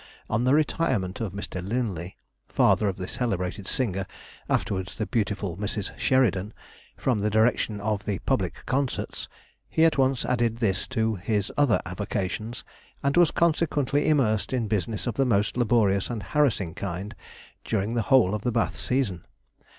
On the retirement of Mr. Linley (father of the celebrated singer, afterwards the beautiful Mrs. Sheridan) from the direction of the Public Concerts, he at once added this to his other avocations, and was consequently immersed in business of the most laborious and harassing kind during the whole of the Bath season.